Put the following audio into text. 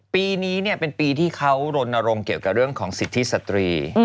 ปีนี้เป็นปีที่เขารณรงค์เกี่ยวกับเรื่องของสิทธิสตรี